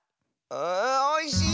あおいしい！